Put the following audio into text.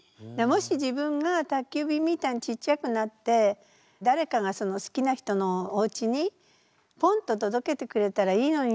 もし自分が宅急便みたいにちっちゃくなってだれかがその好きな人のおうちにポンと届けてくれたらいいのになって思ったの。